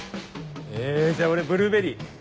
えじゃあ俺ブルーベリー。